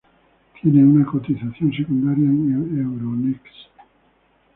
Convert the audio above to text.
Tiene una cotización secundaria en Euronext.